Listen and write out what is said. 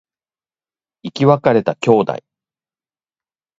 生き別れた兄弟